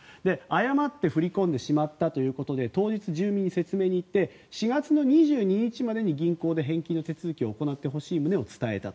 誤って振り込んでしまったということで当日、住民に説明に行って４月２２日までに銀行で返金の手続きを行ってほしい旨を伝えた。